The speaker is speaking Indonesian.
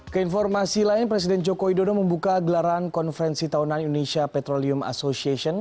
keinformasi lain presiden joko widodo membuka gelaran konferensi tahunan indonesia petroleum association